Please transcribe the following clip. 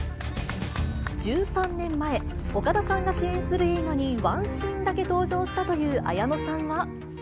１３年前、岡田さんが主演する映画に１シーンだけ登場したという綾野さんは。